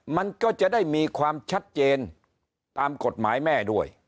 มันก็จะได้มีความชัดเจนตามกฎหมายแม่ด้วย